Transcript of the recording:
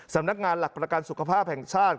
สำนักงานหลักประกันสุขภาพแห่งชาติ